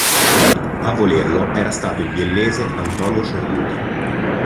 A volerlo era stato il biellese Antonio Cerruti.